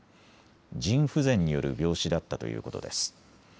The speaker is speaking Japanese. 腎不全による病死だったということです。